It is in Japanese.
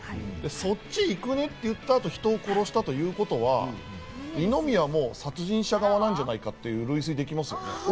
そっち行くねって言ったあと、人を殺したってことは二宮も殺人者側なんじゃないかと類推できますよね。